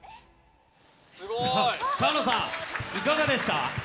菅野さん、いかがでした？